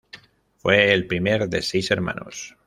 Fue el primer de seis hermanos.